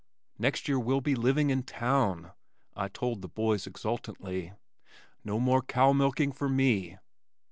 "Next year we'll be living in town!" I said to the boys exultantly. "No more cow milking for me!"